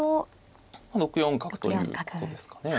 ６四角ということですかね。